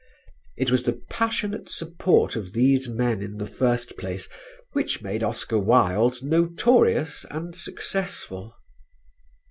It was the passionate support of these men in the first place which made Oscar Wilde notorious and successful.